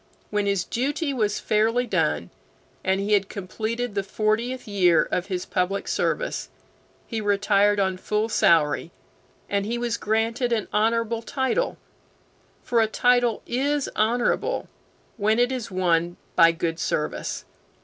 When his duty was fairly done, and he had completed the fortieth year of his public service, he retired on his full salary, and he was granted an honorable title; for a title is honorable when it is won by good service.